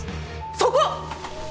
そこ！